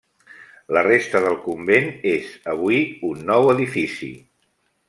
La resta del convent és, avui, un nou edifici.